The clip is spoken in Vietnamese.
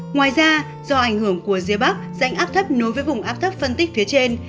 ngoài ra do ảnh hưởng của rìa bắc rãnh áp thấp nối với vùng áp thấp phân tích phía trên